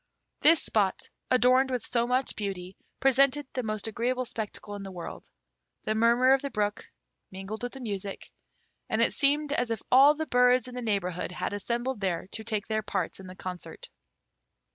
This spot, adorned with so much beauty, presented the most agreeable spectacle in the world. The murmur of the brook mingled with the music, and it seemed as if all the birds in the neighbourhood had assembled there to take their parts in the concert.